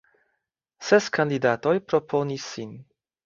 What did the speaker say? Ses kandidatoj proponis sin.